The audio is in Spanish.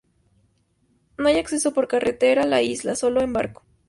No hay acceso por carretera a la isla, sólo en barco.